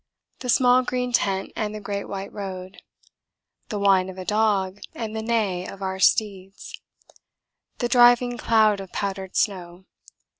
The small green tent and the great white road. The whine of a dog and the neigh of our steeds. The driving cloud of powdered snow.